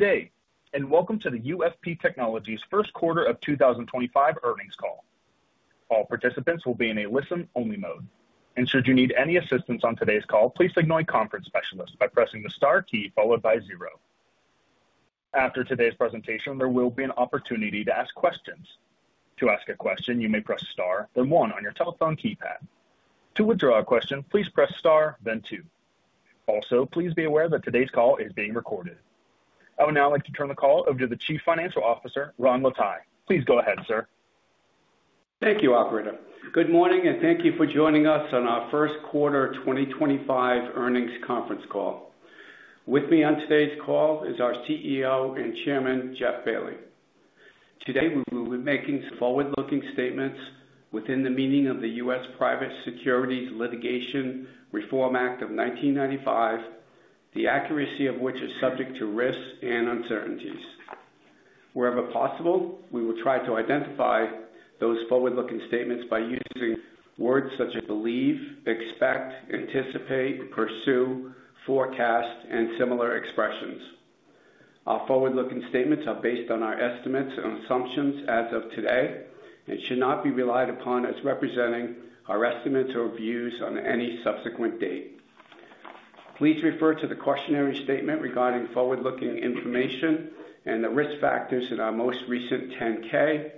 Good day, and welcome to the UFP Technologies' first quarter of 2025 earnings call. All participants will be in a listen-only mode. Should you need any assistance on today's call, please notify the conference specialist by pressing the star key followed by zero. After today's presentation, there will be an opportunity to ask questions. To ask a question, you may press star, then one on your telephone keypad. To withdraw a question, please press star, then two. Also, please be aware that today's call is being recorded. I would now like to turn the call over to the Chief Financial Officer, Ron Lataille. Please go ahead, sir. Thank you, Operator. Good morning, and thank you for joining us on our first quarter 2025 earnings conference call. With me on today's call is our CEO and Chairman, Jeff Bailly. Today, we will be making some forward-looking statements within the meaning of the U.S. Private Securities Litigation Reform Act of 1995, the accuracy of which is subject to risks and uncertainties. Wherever possible, we will try to identify those forward-looking statements by using words such as believe, expect, anticipate, pursue, forecast, and similar expressions. Our forward-looking statements are based on our estimates and assumptions as of today and should not be relied upon as representing our estimates or views on any subsequent date. Please refer to the cautionary statement regarding forward-looking information and the risk factors in our most recent 10-K,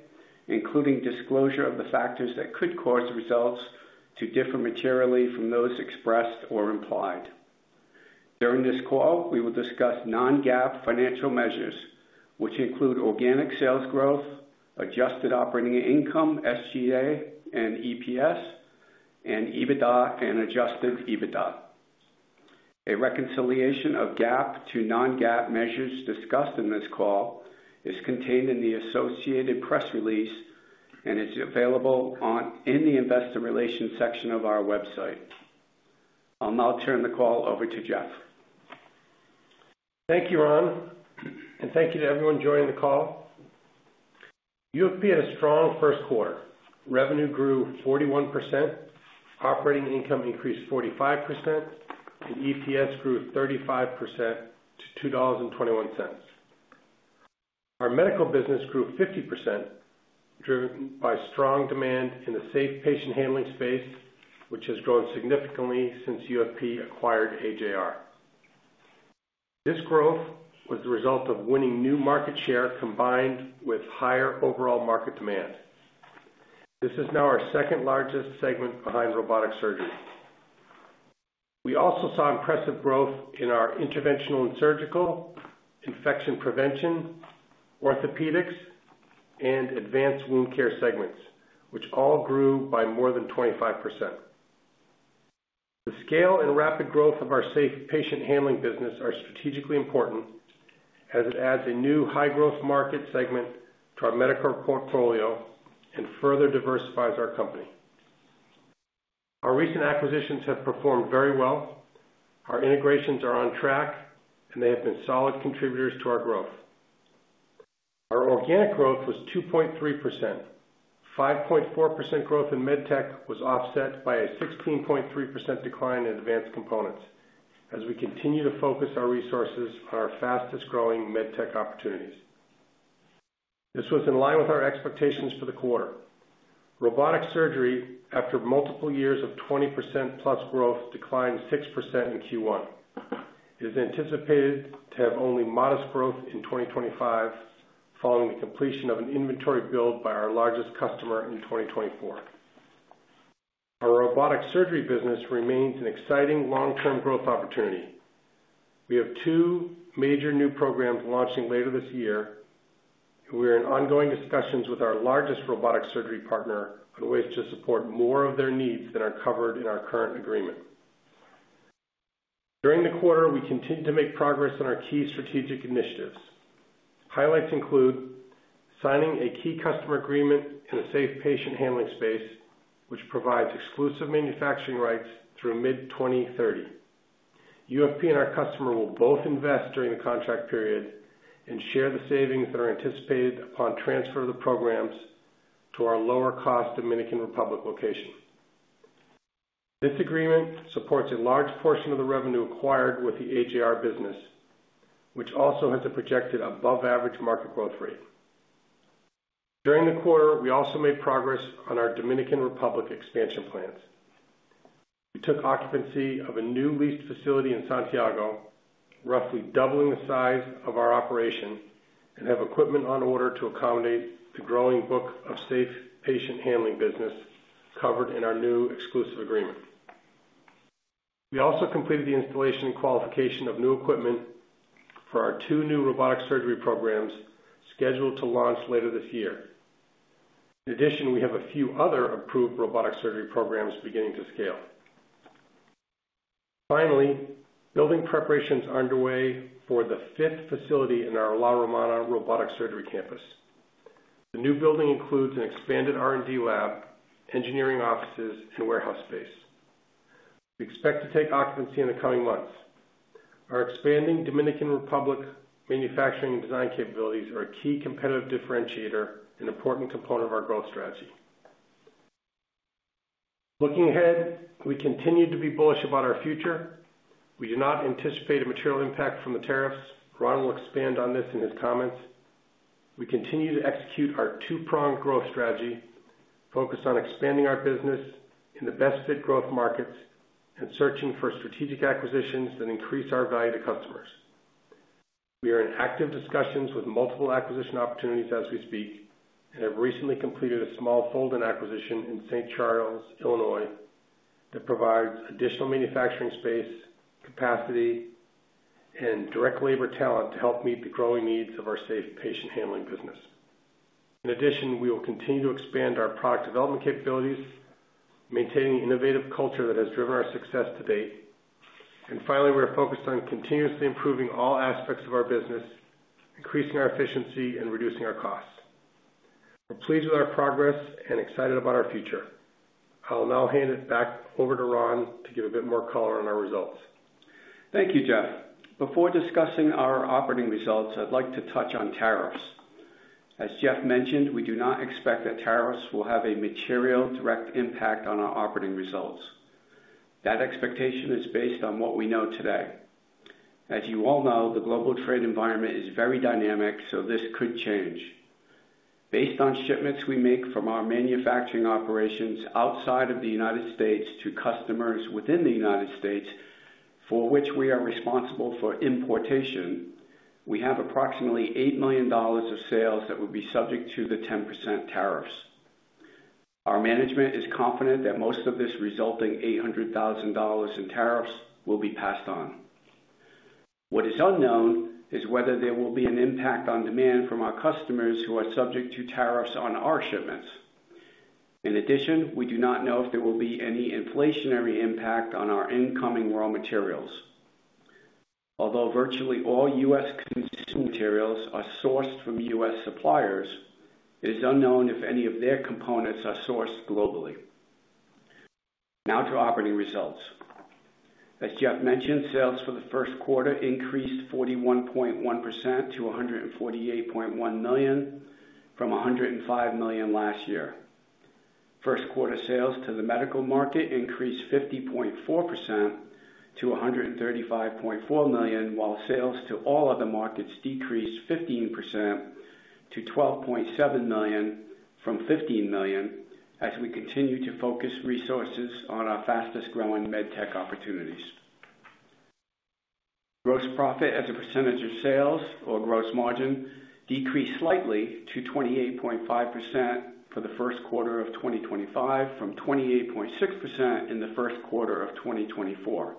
including disclosure of the factors that could cause results to differ materially from those expressed or implied. During this call, we will discuss non-GAAP financial measures, which include organic sales growth, adjusted operating income, SG&A and EPS, and EBITDA and adjusted EBITDA. A reconciliation of GAAP to non-GAAP measures discussed in this call is contained in the associated press release and is available in the investor relations section of our website. I'll now turn the call over to Jeff. Thank you, Ron, and thank you to everyone joining the call. UFP had a strong first quarter. Revenue grew 41%, operating income increased 45%, and EPS grew 35% to $2.21. Our medical business grew 50%, driven by strong demand in the safe patient handling space, which has grown significantly since UFP acquired AJR. This growth was the result of winning new market share combined with higher overall market demand. This is now our second largest segment behind robotic surgery. We also saw impressive growth in our interventional and surgical, infection prevention, orthopedics, and advanced wound care segments, which all grew by more than 25%. The scale and rapid growth of our safe patient handling business are strategically important as it adds a new high-growth market segment to our medical portfolio and further diversifies our company. Our recent acquisitions have performed very well. Our integrations are on track, and they have been solid contributors to our growth. Our organic growth was 2.3%. 5.4% growth in med tech was offset by a 16.3% decline in advanced components as we continue to focus our resources on our fastest-growing med tech opportunities. This was in line with our expectations for the quarter. Robotic surgery, after multiple years of 20% plus growth, declined 6% in Q1. It is anticipated to have only modest growth in 2025 following the completion of an inventory build by our largest customer in 2024. Our robotic surgery business remains an exciting long-term growth opportunity. We have two major new programs launching later this year, and we are in ongoing discussions with our largest robotic surgery partner on ways to support more of their needs than are covered in our current agreement. During the quarter, we continue to make progress on our key strategic initiatives. Highlights include signing a key customer agreement in the safe patient handling space, which provides exclusive manufacturing rights through mid-2030. UFP and our customer will both invest during the contract period and share the savings that are anticipated upon transfer of the programs to our lower-cost Dominican Republic location. This agreement supports a large portion of the revenue acquired with the AJR business, which also has a projected above-average market growth rate. During the quarter, we also made progress on our Dominican Republic expansion plans. We took occupancy of a new leased facility in Santiago, roughly doubling the size of our operation, and have equipment on order to accommodate the growing book of safe patient handling business covered in our new exclusive agreement. We also completed the installation and qualification of new equipment for our two new robotic surgery programs scheduled to launch later this year. In addition, we have a few other approved robotic surgery programs beginning to scale. Finally, building preparations are underway for the fifth facility in our La Romana Robotic Surgery Campus. The new building includes an expanded R&D lab, engineering offices, and warehouse space. We expect to take occupancy in the coming months. Our expanding Dominican Republic manufacturing and design capabilities are a key competitive differentiator and important component of our growth strategy. Looking ahead, we continue to be bullish about our future. We do not anticipate a material impact from the tariffs. Ron will expand on this in his comments. We continue to execute our two-pronged growth strategy, focused on expanding our business in the best-fit growth markets and searching for strategic acquisitions that increase our value to customers. We are in active discussions with multiple acquisition opportunities as we speak and have recently completed a small fold-in acquisition in St. Charles, Illinois, that provides additional manufacturing space, capacity, and direct labor talent to help meet the growing needs of our safe patient handling business. In addition, we will continue to expand our product development capabilities, maintaining the innovative culture that has driven our success to date. Finally, we are focused on continuously improving all aspects of our business, increasing our efficiency, and reducing our costs. We're pleased with our progress and excited about our future. I'll now hand it back over to Ron to give a bit more color on our results. Thank you, Jeff. Before discussing our operating results, I'd like to touch on tariffs. As Jeff mentioned, we do not expect that tariffs will have a material direct impact on our operating results. That expectation is based on what we know today. As you all know, the global trade environment is very dynamic, so this could change. Based on shipments we make from our manufacturing operations outside of the U.S. to customers within the U.S., for which we are responsible for importation, we have approximately $8 million of sales that would be subject to the 10% tariffs. Our management is confident that most of this resulting $800,000 in tariffs will be passed on. What is unknown is whether there will be an impact on demand from our customers who are subject to tariffs on our shipments. In addition, we do not know if there will be any inflationary impact on our incoming raw materials. Although virtually all U.S. consumer materials are sourced from U.S. suppliers, it is unknown if any of their components are sourced globally. Now to operating results. As Jeff mentioned, sales for the first quarter increased 41.1% to $148.1 million from $105 million last year. First quarter sales to the medical market increased 50.4% to $135.4 million, while sales to all other markets decreased 15% to $12.7 million from $15 million as we continue to focus resources on our fastest-growing med tech opportunities. Gross profit as a percentage of sales, or gross margin, decreased slightly to 28.5% for the first quarter of 2025 from 28.6% in the first quarter of 2024.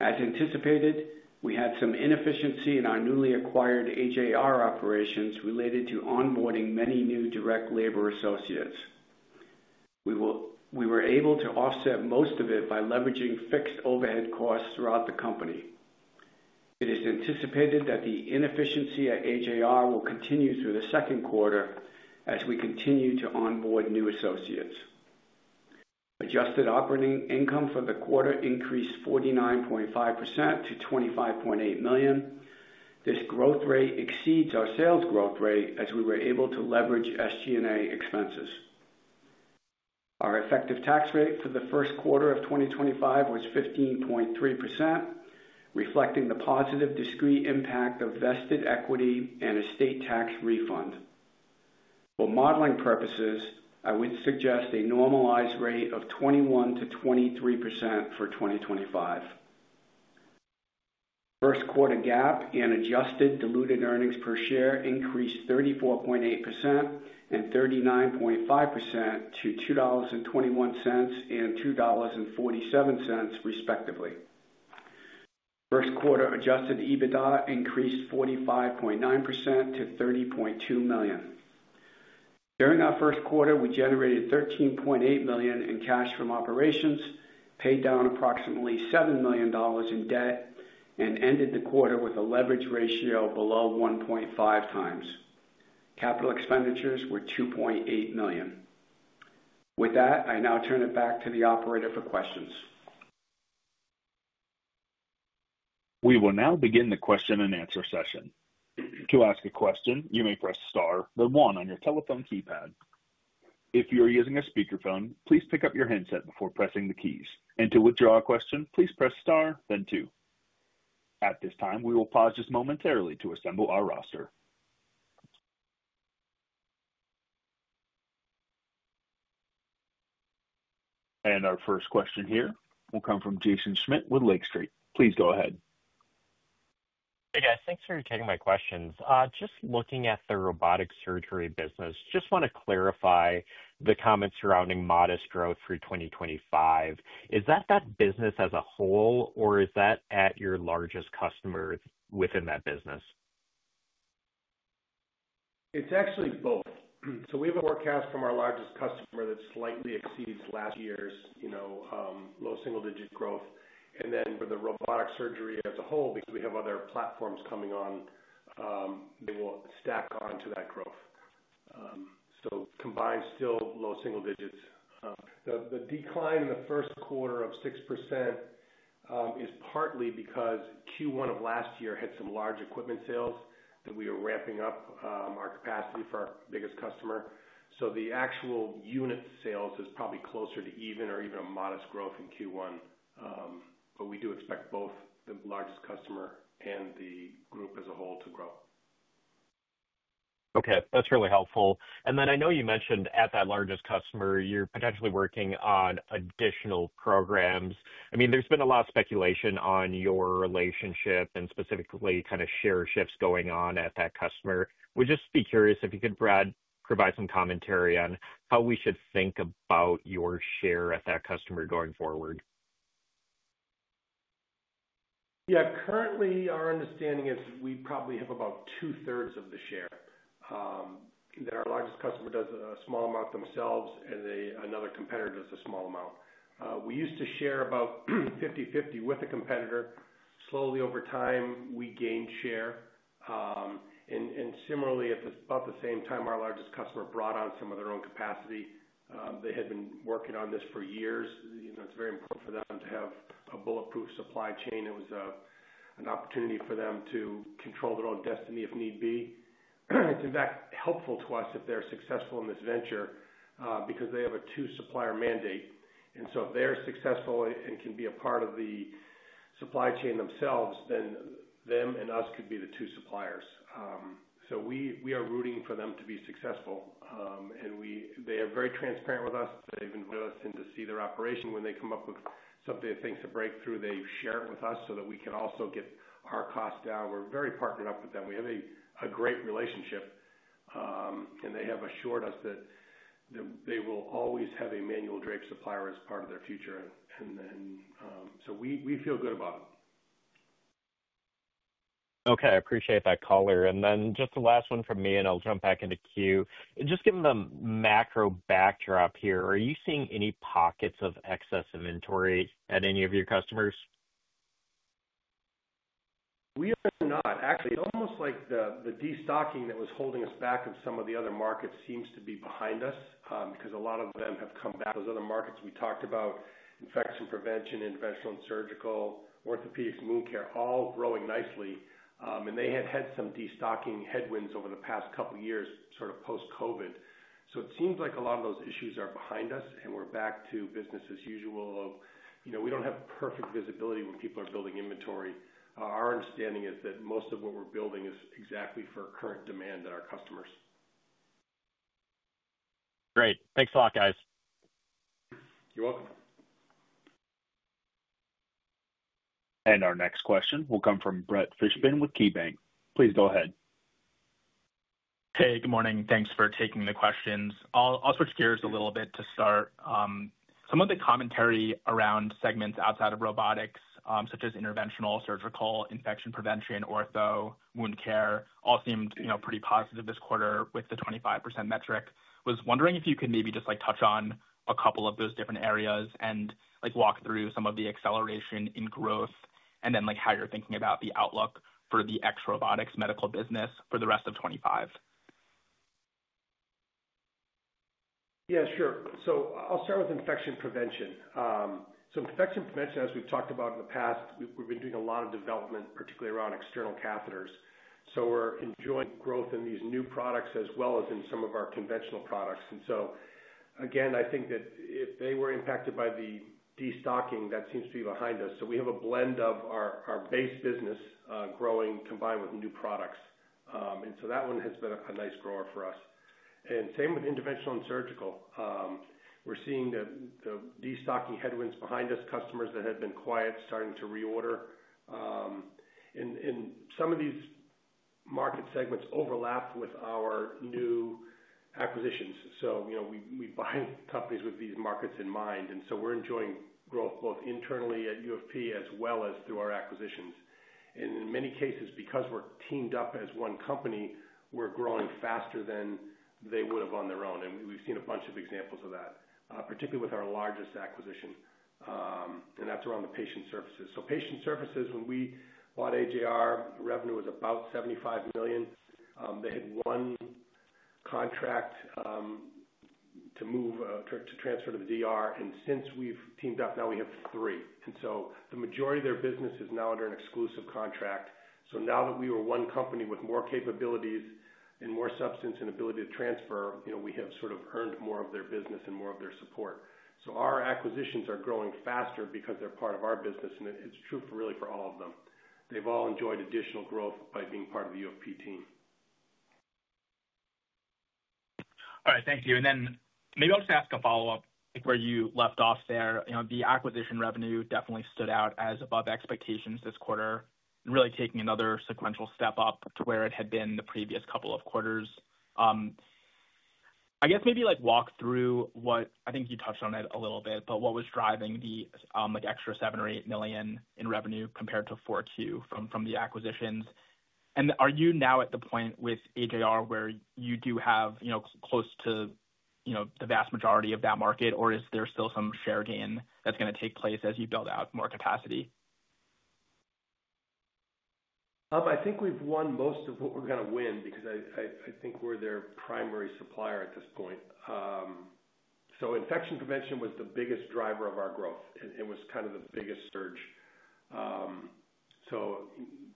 As anticipated, we had some inefficiency in our newly acquired AJR operations related to onboarding many new direct labor associates. We were able to offset most of it by leveraging fixed overhead costs throughout the company. It is anticipated that the inefficiency at AJR will continue through the second quarter as we continue to onboard new associates. Adjusted operating income for the quarter increased 49.5% to $25.8 million. This growth rate exceeds our sales growth rate as we were able to leverage SG&A expenses. Our effective tax rate for the first quarter of 2025 was 15.3%, reflecting the positive discrete impact of vested equity and estate tax refund. For modeling purposes, I would suggest a normalized rate of 21%-23% for 2025. First quarter GAAP and adjusted diluted earnings per share increased 34.8% and 39.5% to $2.21 and $2.47, respectively. First quarter adjusted EBITDA increased 45.9% to $30.2 million. During our first quarter, we generated $13.8 million in cash from operations, paid down approximately $7 million in debt, and ended the quarter with a leverage ratio below 1.5 times. Capital expenditures were $2.8 million. With that, I now turn it back to the Operator for questions. We will now begin the question and answer session. To ask a question, you may press star, then one on your telephone keypad. If you are using a speakerphone, please pick up your headset before pressing the keys. To withdraw a question, please press star, then two. At this time, we will pause just momentarily to assemble our roster. Our first question here will come from Jaeson Schmidt with Lake Street. Please go ahead. Hey, guys. Thanks for taking my questions. Just looking at the robotic surgery business, just want to clarify the comments surrounding modest growth for 2025. Is that that business as a whole, or is that at your largest customer within that business? It's actually both. We have a forecast from our largest customer that slightly exceeds last year's low single-digit growth. For the robotic surgery as a whole, because we have other platforms coming on, they will stack on to that growth. Combined, still low single digits. The decline in the first quarter of 6% is partly because Q1 of last year had some large equipment sales that we are ramping up our capacity for our biggest customer. The actual unit sales is probably closer to even or even a modest growth in Q1, but we do expect both the largest customer and the group as a whole to grow. Okay. That's really helpful. I know you mentioned at that largest customer, you're potentially working on additional programs. I mean, there's been a lot of speculation on your relationship and specifically kind of share shifts going on at that customer. Would just be curious if you could provide some commentary on how we should think about your share at that customer going forward. Yeah. Currently, our understanding is we probably have about two-thirds of the share. Our largest customer does a small amount themselves, and another competitor does a small amount. We used to share about 50/50 with a competitor. Slowly over time, we gained share. Similarly, at about the same time, our largest customer brought on some of their own capacity. They had been working on this for years. It is very important for them to have a bulletproof supply chain. It was an opportunity for them to control their own destiny if need be. It is, in fact, helpful to us if they are successful in this venture because they have a two-supplier mandate. If they are successful and can be a part of the supply chain themselves, then them and us could be the two suppliers. We are rooting for them to be successful. They are very transparent with us. They have invited us in to see their operation. When they come up with something that they think is a breakthrough, they share it with us so that we can also get our costs down. We are very partnered up with them. We have a great relationship. They have assured us that they will always have a manual drape supplier as part of their future. We feel good about it. Okay. I appreciate that color. Just the last one from me, and I'll jump back into Q. Just given the macro backdrop here, are you seeing any pockets of excess inventory at any of your customers? We are not. Actually, almost like the destocking that was holding us back of some of the other markets seems to be behind us because a lot of them have come back. Those other markets we talked about, infection prevention, interventional and surgical, orthopedics, wound care, all growing nicely. They had had some destocking headwinds over the past couple of years, sort of post-COVID. It seems like a lot of those issues are behind us, and we're back to business as usual. We do not have perfect visibility when people are building inventory. Our understanding is that most of what we're building is exactly for current demand at our customers. Great. Thanks a lot, guys. You're welcome. Our next question will come from Brett Fishbin with KeyBank. Please go ahead. Hey, good morning. Thanks for taking the questions. I'll switch gears a little bit to start. Some of the commentary around segments outside of robotics, such as interventional, surgical, infection prevention, ortho wound care, all seemed pretty positive this quarter with the 25% metric. I was wondering if you could maybe just touch on a couple of those different areas and walk through some of the acceleration in growth and then how you're thinking about the outlook for the ex-robotics medical business for the rest of 2025. Yeah, sure. I'll start with infection prevention. Infection prevention, as we've talked about in the past, we've been doing a lot of development, particularly around external catheters. We're enjoying growth in these new products as well as in some of our conventional products. I think that if they were impacted by the destocking, that seems to be behind us. We have a blend of our base business growing combined with new products. That one has been a nice grower for us. Same with interventional and surgical. We're seeing the destocking headwinds behind us, customers that had been quiet starting to reorder. Some of these market segments overlap with our new acquisitions. We buy companies with these markets in mind. We're enjoying growth both internally at UFP as well as through our acquisitions. In many cases, because we're teamed up as one company, we're growing faster than they would have on their own. We've seen a bunch of examples of that, particularly with our largest acquisition. That's around the patient services. Patient services, when we bought AJR, revenue was about $75 million. They had one contract to move to transfer to the Dominican Republic. Since we've teamed up, now we have three. The majority of their business is now under an exclusive contract. Now that we are one company with more capabilities and more substance and ability to transfer, we have sort of earned more of their business and more of their support. Our acquisitions are growing faster because they're part of our business. It's true really for all of them. They've all enjoyed additional growth by being part of the UFP team. All right. Thank you. Maybe I'll just ask a follow-up where you left off there. The acquisition revenue definitely stood out as above expectations this quarter, really taking another sequential step up to where it had been the previous couple of quarters. I guess maybe walk through what I think you touched on it a little bit, but what was driving the extra $7 million or $8 million in revenue compared to 4Q from the acquisitions. Are you now at the point with AJR where you do have close to the vast majority of that market, or is there still some share gain that's going to take place as you build out more capacity? I think we've won most of what we're going to win because I think we're their primary supplier at this point. Infection prevention was the biggest driver of our growth. It was kind of the biggest surge.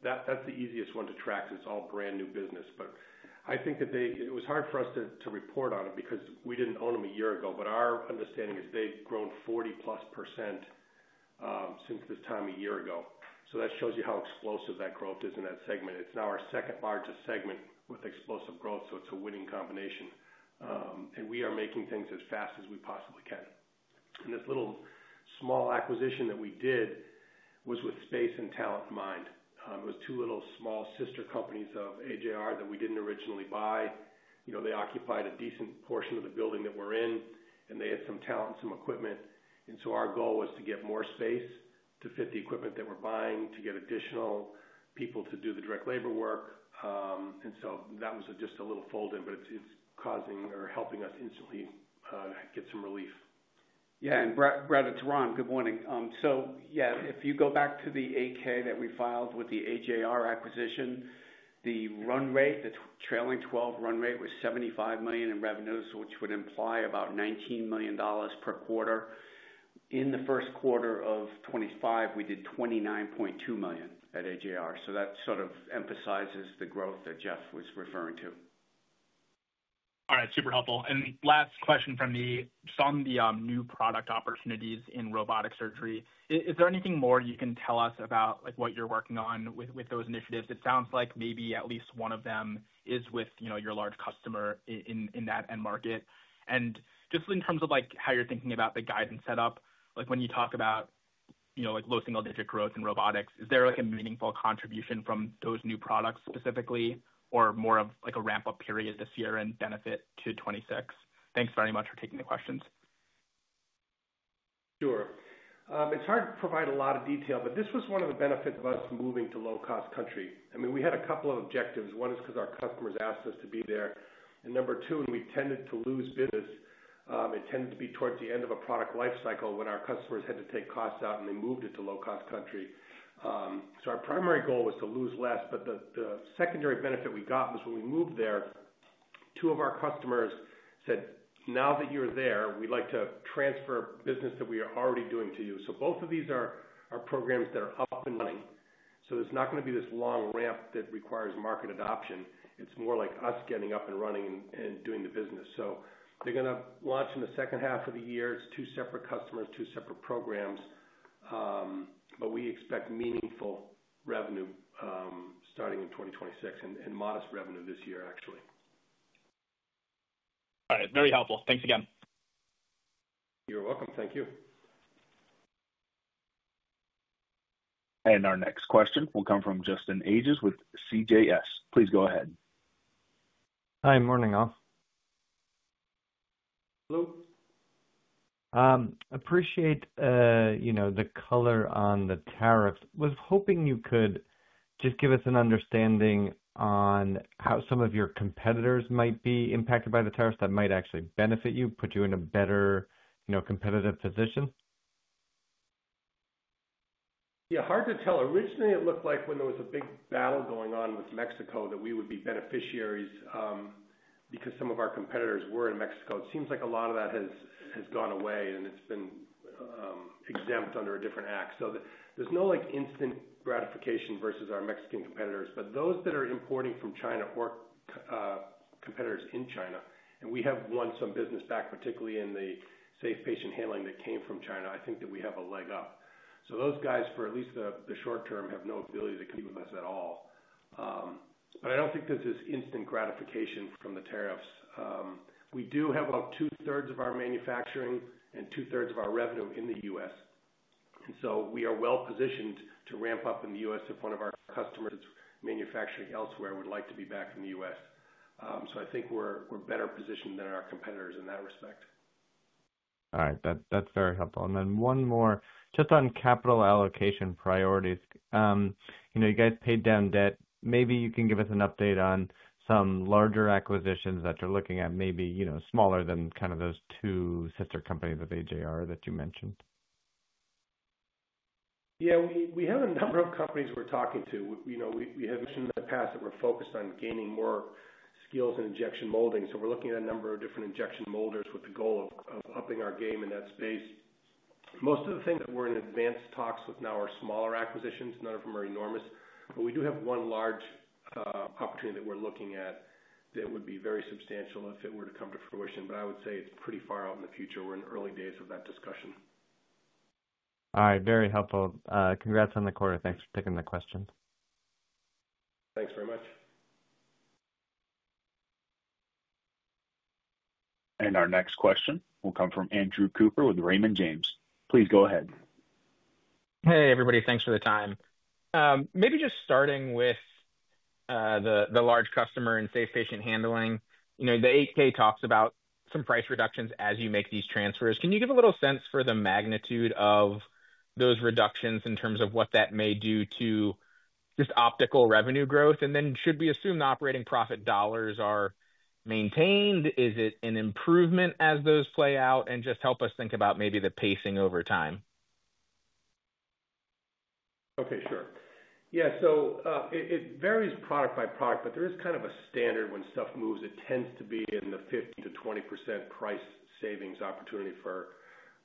That's the easiest one to track because it's all brand new business. I think that it was hard for us to report on it because we didn't own them a year ago. Our understanding is they've grown 40+% since this time a year ago. That shows you how explosive that growth is in that segment. It's now our second largest segment with explosive growth. It's a winning combination. We are making things as fast as we possibly can. This little small acquisition that we did was with space and talent in mind. It was two little small sister companies of AJR that we did not originally buy. They occupied a decent portion of the building that we are in, and they had some talent, some equipment. Our goal was to get more space to fit the equipment that we are buying, to get additional people to do the direct labor work. That was just a little fold-in, but it is causing or helping us instantly get some relief. Yeah. Brett, it's Ron. Good morning. If you go back to the AK that we filed with the AJR acquisition, the run rate, the trailing twelve run rate was $75 million in revenue, which would imply about $19 million per quarter. In the first quarter of 2025, we did $29.2 million at AJR. That sort of emphasizes the growth that Jeff was referring to. All right. Super helpful. Last question from me. Some of the new product opportunities in robotic surgery, is there anything more you can tell us about what you're working on with those initiatives? It sounds like maybe at least one of them is with your large customer in that end market. Just in terms of how you're thinking about the guidance setup, when you talk about low single-digit growth in robotics, is there a meaningful contribution from those new products specifically or more of a ramp-up period this year and benefit to 2026? Thanks very much for taking the questions. Sure. It's hard to provide a lot of detail, but this was one of the benefits of us moving to low-cost country. I mean, we had a couple of objectives. One is because our customers asked us to be there. Number two, when we tended to lose business, it tended to be towards the end of a product life cycle when our customers had to take costs out and they moved it to low-cost country. Our primary goal was to lose less, but the secondary benefit we got was when we moved there, two of our customers said, "Now that you're there, we'd like to transfer business that we are already doing to you." Both of these are programs that are up and running. There's not going to be this long ramp that requires market adoption. It's more like us getting up and running and doing the business. They're going to launch in the second half of the year. It's two separate customers, two separate programs, but we expect meaningful revenue starting in 2026 and modest revenue this year, actually. All right. Very helpful. Thanks again. You're welcome. Thank you. Our next question will come from Justin Ages with CJS. Please go ahead. Hi. Morning all. Hello. Appreciate the color on the tariffs. Was hoping you could just give us an understanding on how some of your competitors might be impacted by the tariffs that might actually benefit you, put you in a better competitive position. Yeah. Hard to tell. Originally, it looked like when there was a big battle going on with Mexico that we would be beneficiaries because some of our competitors were in Mexico. It seems like a lot of that has gone away, and it's been exempt under a different act. There's no instant gratification versus our Mexican competitors. Those that are importing from China or competitors in China, and we have won some business back, particularly in the safe patient handling that came from China, I think that we have a leg up. Those guys, for at least the short term, have no ability to compete with us at all. I don't think there's this instant gratification from the tariffs. We do have about two-thirds of our manufacturing and two-thirds of our revenue in the U.S. We are well-positioned to ramp up in the U.S. if one of our customers is manufacturing elsewhere and would like to be back in the U.S. I think we are better positioned than our competitors in that respect. All right. That's very helpful. Then one more, just on capital allocation priorities. You guys paid down debt. Maybe you can give us an update on some larger acquisitions that you're looking at, maybe smaller than kind of those two sister companies of AJR that you mentioned. Yeah. We have a number of companies we're talking to. We have mentioned in the past that we're focused on gaining more skills in injection molding. So we're looking at a number of different injection molders with the goal of upping our game in that space. Most of the things that we're in advanced talks with now are smaller acquisitions. None of them are enormous. We do have one large opportunity that we're looking at that would be very substantial if it were to come to fruition. I would say it's pretty far out in the future. We're in the early days of that discussion. All right. Very helpful. Congrats on the quarter. Thanks for taking the question. Thanks very much. Our next question will come from Andrew Cooper with Raymond James. Please go ahead. Hey, everybody. Thanks for the time. Maybe just starting with the large customer and safe patient handling, the 8K talks about some price reductions as you make these transfers. Can you give a little sense for the magnitude of those reductions in terms of what that may do to just optical revenue growth? Should we assume the operating profit dollars are maintained? Is it an improvement as those play out? Just help us think about maybe the pacing over time. Okay. Sure. Yeah. So it varies product by product, but there is kind of a standard when stuff moves. It tends to be in the 15%-20% price savings opportunity for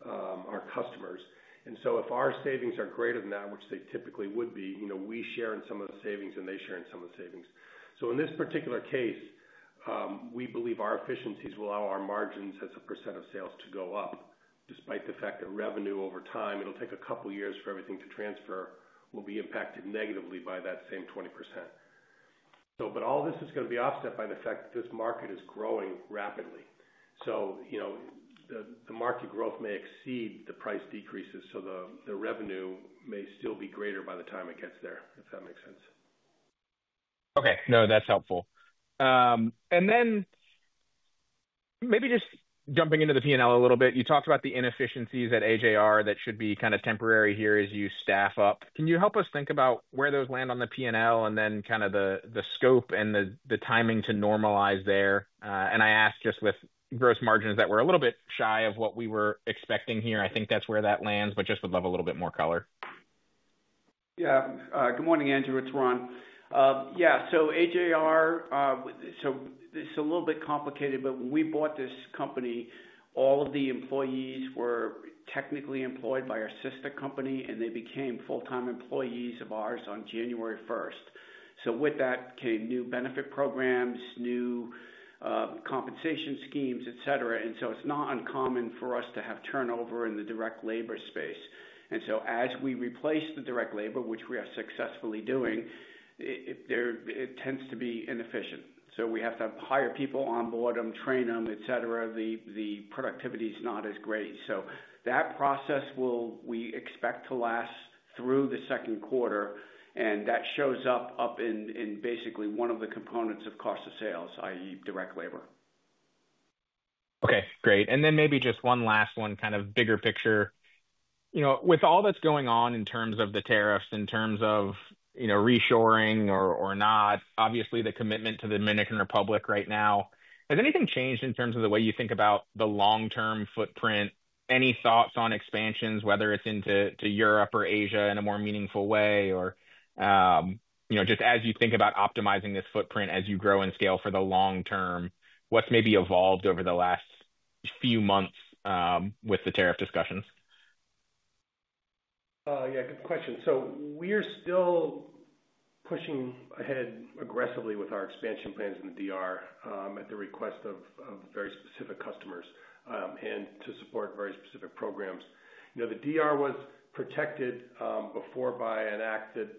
our customers. And so if our savings are greater than that, which they typically would be, we share in some of the savings and they share in some of the savings. In this particular case, we believe our efficiencies will allow our margins as a percent of sales to go up despite the fact that revenue over time, it'll take a couple of years for everything to transfer, will be impacted negatively by that same 20%. All this is going to be offset by the fact that this market is growing rapidly. The market growth may exceed the price decreases. The revenue may still be greater by the time it gets there, if that makes sense. Okay. No, that's helpful. Maybe just jumping into the P&L a little bit, you talked about the inefficiencies at AJR that should be kind of temporary here as you staff up. Can you help us think about where those land on the P&L and then kind of the scope and the timing to normalize there? I ask just with gross margins that were a little bit shy of what we were expecting here. I think that's where that lands, but just would love a little bit more color. Yeah. Good morning, Andrew. It's Ron. Yeah. So AJR, so it's a little bit complicated, but when we bought this company, all of the employees were technically employed by our sister company, and they became full-time employees of ours on January 1st. With that came new benefit programs, new compensation schemes, etc. It's not uncommon for us to have turnover in the direct labor space. As we replace the direct labor, which we are successfully doing, it tends to be inefficient. We have to hire people, onboard them, train them, etc. The productivity is not as great. That process will, we expect, last through the second quarter. That shows up in basically one of the components of cost of sales, i.e., direct labor. Okay. Great. Maybe just one last one, kind of bigger picture. With all that's going on in terms of the tariffs, in terms of reshoring or not, obviously the commitment to the Dominican Republic right now, has anything changed in terms of the way you think about the long-term footprint? Any thoughts on expansions, whether it's into Europe or Asia in a more meaningful way, or just as you think about optimizing this footprint as you grow and scale for the long term, what's maybe evolved over the last few months with the tariff discussions? Yeah. Good question. We are still pushing ahead aggressively with our expansion plans in the Dominican Republic at the request of very specific customers and to support very specific programs. The Dominican Republic was protected before by an act that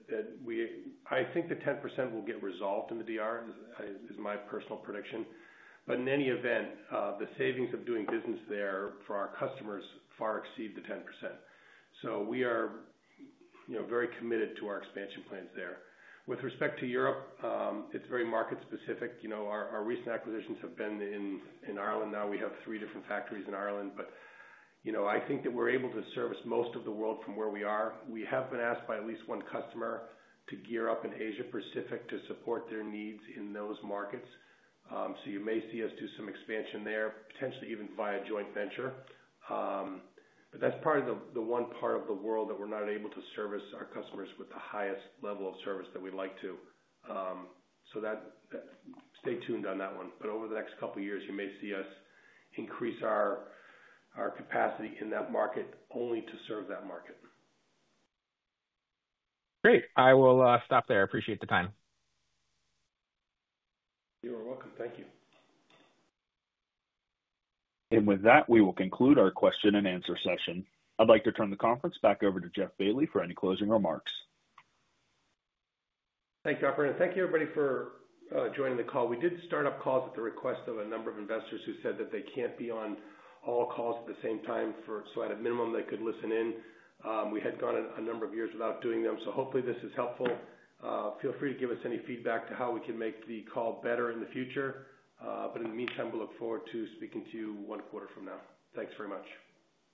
I think the 10% will get resolved in the Dominican Republic is my personal prediction. In any event, the savings of doing business there for our customers far exceed the 10%. We are very committed to our expansion plans there. With respect to Europe, it is very market-specific. Our recent acquisitions have been in Ireland. Now we have three different factories in Ireland, but I think that we are able to service most of the world from where we are. We have been asked by at least one customer to gear up in Asia-Pacific to support their needs in those markets. You may see us do some expansion there, potentially even via joint venture. That is part of the one part of the world that we're not able to service our customers with the highest level of service that we'd like to. Stay tuned on that one. Over the next couple of years, you may see us increase our capacity in that market only to serve that market. Great. I will stop there. Appreciate the time. You're welcome. Thank you. With that, we will conclude our question-and-answer session. I'd like to turn the conference back over to Jeff Bailly for any closing remarks. Thank you, Alfred. Thank you, everybody, for joining the call. We did start up calls at the request of a number of investors who said that they can't be on all calls at the same time. At a minimum, they could listen in. We had gone a number of years without doing them. Hopefully, this is helpful. Feel free to give us any feedback to how we can make the call better in the future. In the meantime, we look forward to speaking to you one quarter from now. Thanks very much.